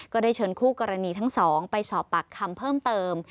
ก็ได้เชิญคู่กรณีทั้งสองไปสอบปากคำเพิ่มเติม